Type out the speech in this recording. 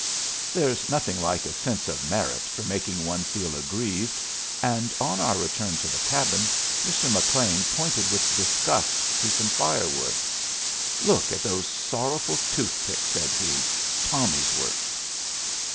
There's nothing like a sense of merit for making one feel aggrieved, and on our return to the cabin Mr. McLean pointed with disgust to some firewood. "Look at those sorrowful toothpicks," said he: "Tommy's work."